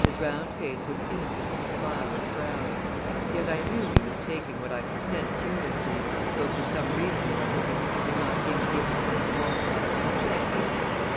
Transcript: His round face was innocent of smile or frown. Yet I knew he was taking what I had said seriously, though for some reason or other it did not seem to give him unqualified pleasure.